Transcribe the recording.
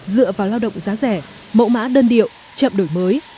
dựa vào lao động giá rẻ mẫu mã đơn điệu chậm đổi mới